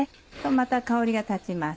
また香りが立ちます。